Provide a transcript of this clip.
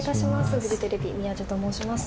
フジテレビの宮司と申します。